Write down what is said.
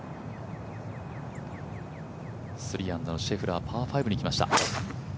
３アンダーのシェフラーパー５に来ました。